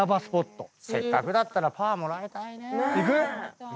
せっかくだったらパワーもらいたいね。